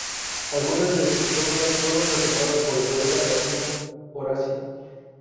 Algunas de sus fórmulas fueron retomadas por el poeta latino Horacio.